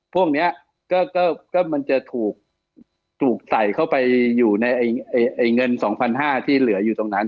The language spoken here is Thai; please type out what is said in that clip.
พวกนี้ก็มันจะถูกใส่เข้าไปอยู่ในเงิน๒๕๐๐บาทที่เหลืออยู่ตรงนั้น